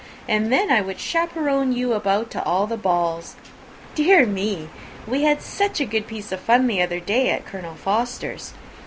and then I would chaperon you about to all the balls. Dear me! we had such a good piece of fun the other day at Colonel Forster's!